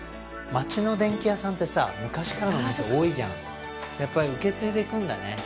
町の電気屋さんってさ昔からの店多いじゃんやっぱり受け継いでいくんだね